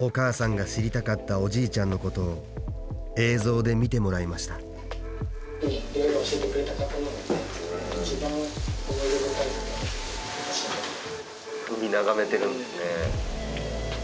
お母さんが知りたかったおじいちゃんのことを映像で見てもらいました「海眺めてるんですね」。